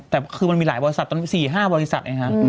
แต่คือมันมีหลายบริษัทตอนนี้๔๕บริษัทเองฮะ